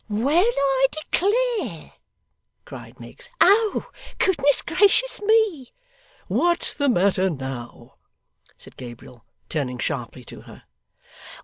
'Well, I declare,' cried Miggs. 'Oh! Goodness gracious me!' 'What's the matter now?' said Gabriel, turning sharply to her.